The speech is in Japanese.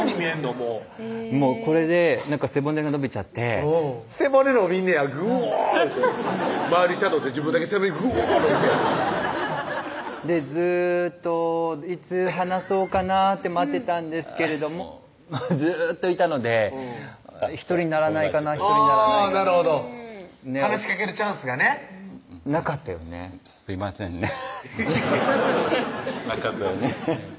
もうこれで背骨が伸びちゃってうん背骨伸びんねやグオーいうて周りシャドウで自分だけ背骨グオー伸びてずーっといつ話そうかなって待ってたんですけれどももうずーっといたので友達とあぁなるほど話しかけるチャンスがねなかったよねすいませんねなかったよね